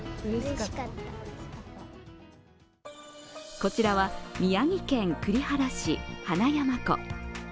こちらは宮城県栗原市、花山湖。